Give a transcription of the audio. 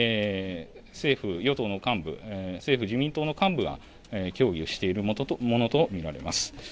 政府・与党の幹部、政府・自民党の幹部が協議をしているものと見られます。